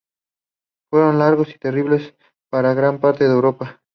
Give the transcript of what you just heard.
Fueron largos y terribles para gran parte de Europa.